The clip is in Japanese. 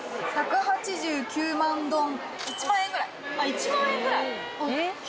１万円ぐらい？